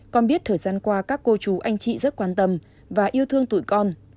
con biết thời gian qua các cô chú anh chị rất quan tâm và yêu thương tuổi con